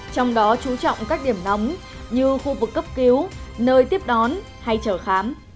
trong đó chú trọng các điểm nóng như khu vực cấp cứu nơi tiếp đón hay chở khám